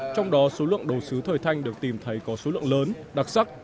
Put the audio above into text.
trong đó số lượng đồ sứ thời thanh được tìm thấy có số lượng lớn đặc sắc